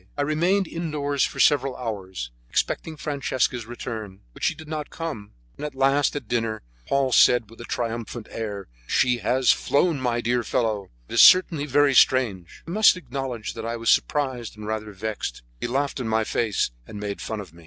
I remained indoors for several hours, expecting Francesca's return, but she did not come, and at last, at dinner, Paul said with a triumphant air: "She has flown, my dear fellow; it is certainly very strange." I must acknowledge that I was surprised and rather vexed. He laughed in my face, and made fun of me.